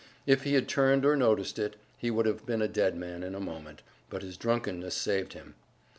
If he had turned or noticed it, he would have been a dead man in a moment; but his drunkenness saved him.